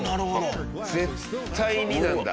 「絶対に」なんだ。